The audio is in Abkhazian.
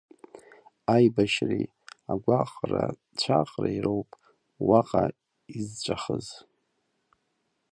Аибашьреи агәаҟра-ҵәаҟреи роуп уаҟа изҵәахыз.